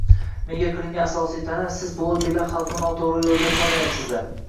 menga qilingan asosiy ta’na – «Siz blogerlar xalqni noto‘g‘ri yo‘lga chorlayapsizlar